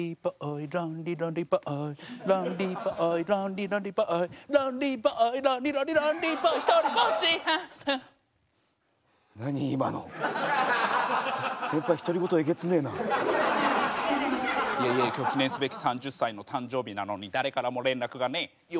イエイイエイ今日記念すべき３０歳の誕生日なのに誰からも連絡がねえＹＯ！